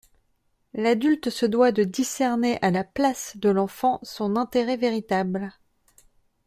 L'adulte se doit de discerner à la place de l'enfant son intérêt véritable.